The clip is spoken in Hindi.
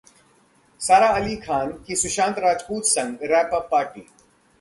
सारा अली खान की सुशांत राजपूत संग wrap up पार्टी